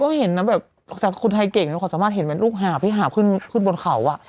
ก็เห็นนะแบบแต่คนไทยเก่งเขาสามารถเห็นเป็นลูกหาบที่หาบขึ้นบนเขา